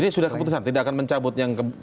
ini sudah keputusan tidak akan menyebut yang ke